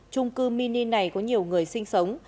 trung cư mini này có nhiều người sinh sống